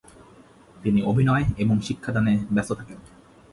তিনি অভিনয় এবং শিক্ষাদানে ব্যস্ত থাকেন।